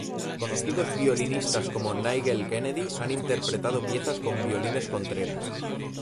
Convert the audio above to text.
Conocidos violinistas como Nigel Kennedy han interpretado piezas con violines Contreras.